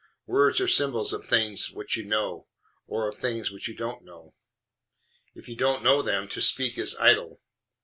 Words are symbols of things which you know, or of things which you don't know. If you don't know them, to speak is idle."